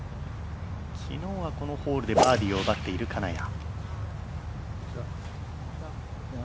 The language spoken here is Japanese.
昨日はこのホールでバーディーを奪っている金谷。